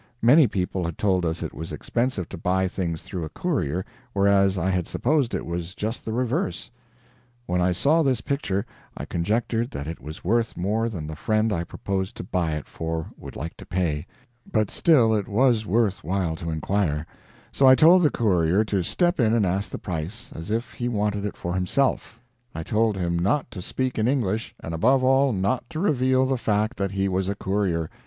Many people had told us it was expensive to buy things through a courier, whereas I had supposed it was just the reverse. When I saw this picture, I conjectured that it was worth more than the friend I proposed to buy it for would like to pay, but still it was worth while to inquire; so I told the courier to step in and ask the price, as if he wanted it for himself; I told him not to speak in English, and above all not to reveal the fact that he was a courier.